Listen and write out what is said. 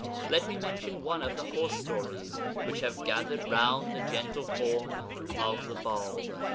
Let me mention one of the horse stories which have gathered round the gentle form of the Bāb.